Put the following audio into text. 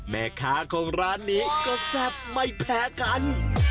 แม่ค้าของร้านนี้ก็แซ่บไม่แพ้กัน